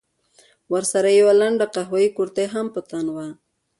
ورسره يې يوه لنډه قهويي کورتۍ هم په تن وه.